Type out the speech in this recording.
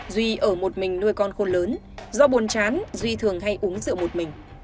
duy ở một mình nuôi con khôn lớn do buồn chán duy thường hay uống rượu một mình